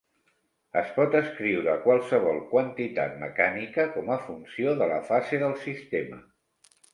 Es pot escriure qualsevol quantitat mecànica com a funció de la fase del sistema.